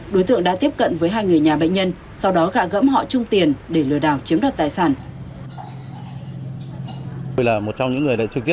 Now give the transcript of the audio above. đối tượng đã tiếp cận với hai người nhà bệnh nhân sau đó gạ gẫm họ chung tiền để lừa đảo chiếm đoạt tài sản